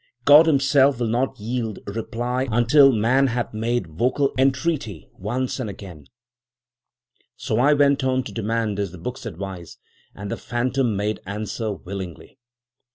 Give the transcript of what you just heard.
God Himself will not yield reply until man hath made vocal entreaty, once and again. So I went on to demand, as the books advise; and the phantom made answer, willingly.